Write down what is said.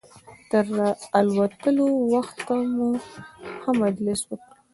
تر الوتلو وخته مو ښه مجلس وکړ.